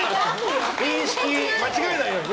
認識、間違えないように。